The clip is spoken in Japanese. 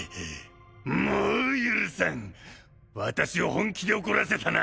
もう許さん私を本気で怒らせたな！